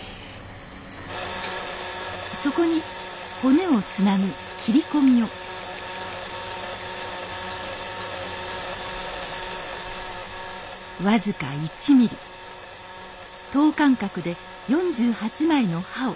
そこに骨をつなぐ切り込みを僅か１ミリ等間隔で４８枚の歯を刻みます。